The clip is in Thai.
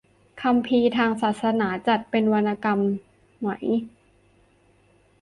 คัมภีร์ทางศาสนาจัดเป็นวรรณกรรมไหม